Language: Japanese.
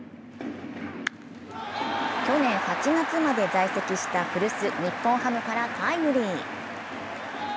去年８月まで在籍した古巣・日本ハムからタイムリー。